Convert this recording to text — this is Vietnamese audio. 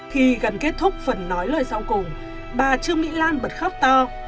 khi gần kết thúc phần nói lời sau cùng bà trương mỹ lan bật khóc to